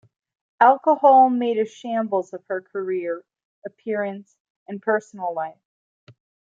Alcohol made a shambles of her career, appearance and personal life.